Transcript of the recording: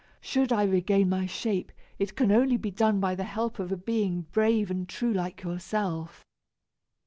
Should I regain my shape, it can only be done by the help of a being brave and true like yourself."